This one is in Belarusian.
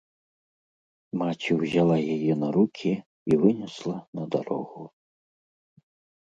Маці ўзяла яе на рукі і вынесла на дарогу.